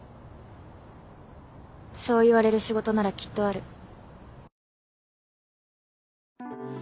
そう言われる仕事ならきっとある。